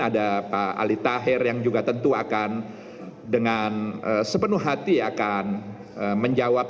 ada pak ali tahir yang juga tentu akan dengan sepenuh hati akan menjawab